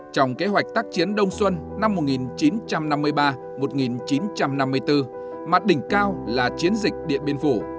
trong kế hoạch tác chiến đông xuân năm một nghìn chín trăm năm mươi ba một nghìn chín trăm năm mươi bốn mặt đỉnh cao là chiến dịch điện biên phủ